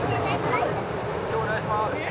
今日お願いします。